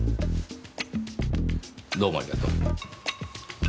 どうもありがとう。